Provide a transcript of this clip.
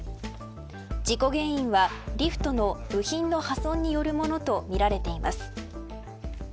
事故原因はリフトの部品の破損によるものとみられています。